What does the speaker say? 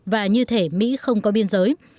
và như thế mỹ không có biên giới